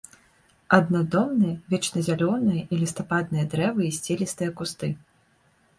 Аднадомныя вечназялёныя і лістападныя дрэвы і сцелістыя кусты.